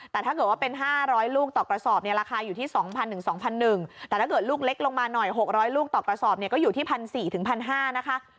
แต่ถ้าเกิดว่าเป็น๕๐๐ลูกต่อกระสอบเนี่ยราคาอยู่ที่๒๐๐๒๑๐๐บาทแต่ถ้าเกิดลูกเล็กลงมาหน่อย๖๐๐ลูกต่อกระสอบเนี่ยก็อยู่ที่๑๔๐๐๑๕๐๐นะคะ